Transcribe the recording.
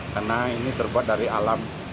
karena ini terbuat dari alam